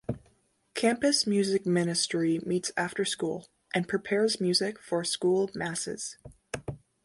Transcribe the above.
Campus music ministry meets after school, and prepares music for school masses.